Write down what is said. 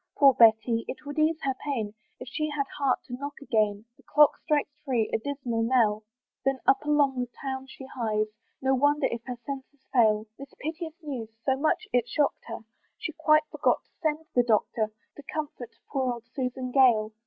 Poor Betty! it would ease her pain If she had heart to knock again; The clock strikes three a dismal knell! Then up along the town she hies, No wonder if her senses fail, This piteous news so much it shock'd her, She quite forgot to send the Doctor, To comfort poor old Susan Gale.